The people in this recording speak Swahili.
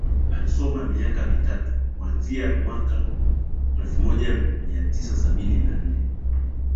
Alisoma miaka mitatu kuanzia mwaka elfu moja mia tisa sabini na nne